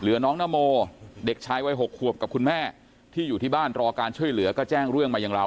น้องนโมเด็กชายวัย๖ขวบกับคุณแม่ที่อยู่ที่บ้านรอการช่วยเหลือก็แจ้งเรื่องมาอย่างเรา